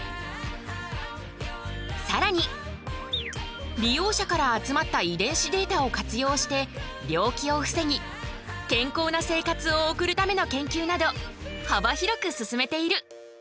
さらに利用者から集まった遺伝子データを活用して病気を防ぎ健康な生活を送るための研究など幅広く進めている。